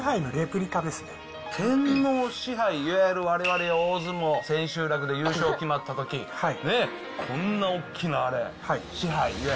天皇賜杯、いわゆるわれわれ大相撲、千秋楽で優勝決まったとき、こんなおっきなあれ、賜杯。